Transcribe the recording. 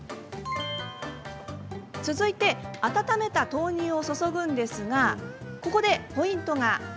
続いて、温めた豆乳を注ぐのですがここでポイントが。